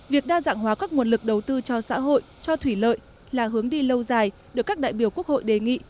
việc đa dạng hóa các nguồn lực đầu tư cho xã hội cho thủy lợi là hướng đi lâu dài được các đại biểu quốc hội đề nghị